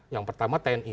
yang pertama tni